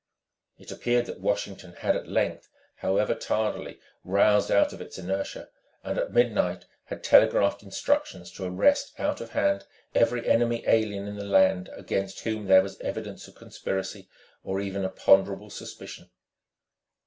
It appeared that Washington had at length, however tardily, roused out of its inertia and at midnight had telegraphed instructions to arrest out of hand every enemy alien in the land against whom there was evidence of conspiracy or even a ponderable suspicion.